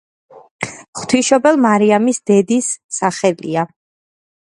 ღვთისმშობელ მარიამის დედის სახელია.